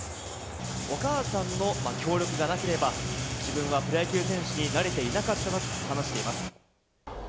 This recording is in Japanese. お母さんの協力がなければ、自分はプロ野球選手になれていなかったなと話しています。